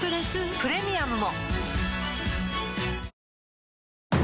プレミアムも